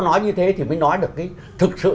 nói như thế thì mới nói được cái thực sự